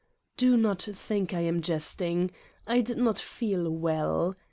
Do not think I am jesting. I did not feel well.